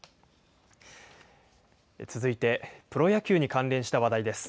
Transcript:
続いてプロ野球に関連した話題です。